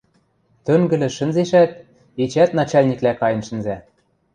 Тӧнгӹлӹш шӹнзешӓт, эчеӓт начальниклӓ кайын шӹнзӓ.